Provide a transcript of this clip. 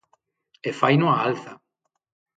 E faino á alza.